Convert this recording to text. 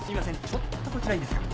ちょっとこちらいいですか？